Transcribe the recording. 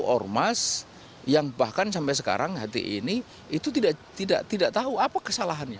ormas yang bahkan sampai sekarang hati ini itu tidak tahu apa kesalahannya